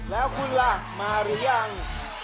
ภูมิคุณล่ะมาหรือยัง